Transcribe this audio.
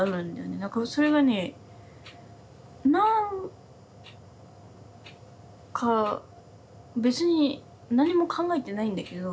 何かそれがね何か別に何も考えてないんだけど。